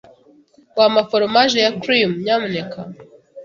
Wampa foromaje ya cream, nyamuneka?